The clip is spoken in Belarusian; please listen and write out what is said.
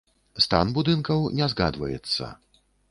Стан будынкаў не згадваецца.